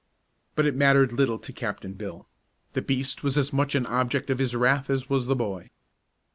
But it mattered little to Captain Bill. The beast was as much an object of his wrath as was the boy.